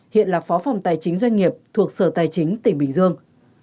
hiện là phó phòng tài chính doanh nghiệp thuộc sở tài chính tỉnh bình dương